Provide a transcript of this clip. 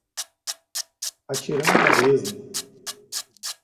Atirando a esmo